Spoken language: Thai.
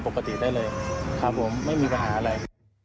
ปกติได้เลยครับผมไม่มีปัญหาอะไร